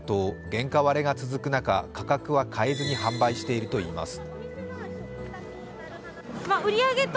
原価割れが続く中、価格は変えずに販売しているといいます。